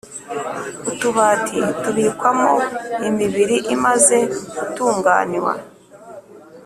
Utubati tubikwamo imibiri imaze gutunganywa